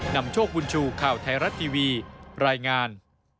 นำโชคบุญชูข่าวไทยรัฐทีวีรายงาน